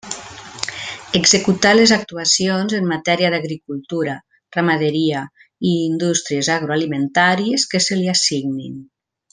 Executar les actuacions en matèria d'agricultura, ramaderia i indústries agroalimentàries que se li assignin.